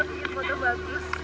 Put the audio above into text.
selesai ya foto bagus